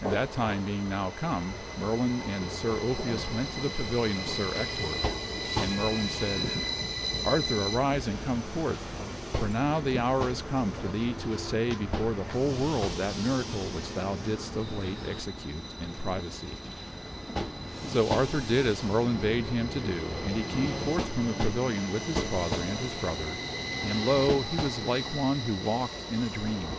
And that time being now come, Merlin and Sir Ulfius went to the pavilion of Sir Ector, and Merlin said, " Arthur, arise and come forth, for now the hour is come for thee to assay before the whole world that miracle which thou didst of late execute in privacy." So Arthur did as Merlin bade him to do, and he came forth from the pavilion with his father and his brother, and, lo ! he was like one who walked in a dream.